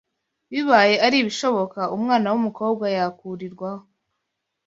Bibaye ari ibishoboka, umwana w’umukobwa yakurirwaho